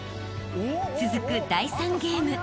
［続く第３ゲーム］